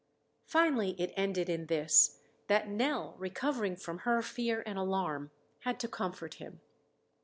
Finally it ended in this, that Nell, recovering from her fear and alarm, had to comfort him.